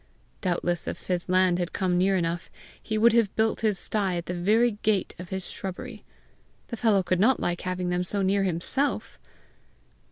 Doubtless if his land had come near enough, he would have built his sty at the very gate of his shrubbery! the fellow could not like having them so near himself!